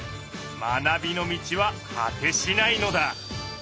学びの道は果てしないのだ。